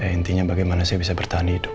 intinya bagaimana saya bisa bertahan hidup